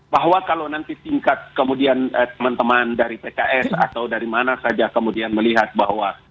bahwa kalau nanti tingkat kemudian teman teman dari pks atau dari mana saja kemudian melihat bahwa